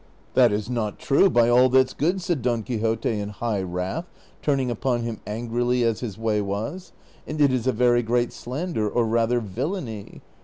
" That is not true, by all that 's good," said Don Quixote in high wrath, turning upon him angrily, as his Avay was ;■' and it is a very great slander, or rather villany.